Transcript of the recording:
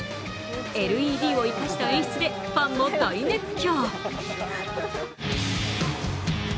ＬＥＤを生かした演出で、ファンも大熱狂。